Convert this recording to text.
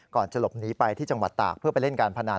จะหลบหนีไปที่จังหวัดตากเพื่อไปเล่นการพนัน